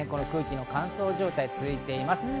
空気の乾燥状態が続いています。